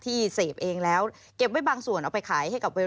ที่ก็เลยยินดีใหม่สำหรับนาย